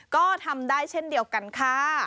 ก็ทำได้เช่นเดียวกันค่ะ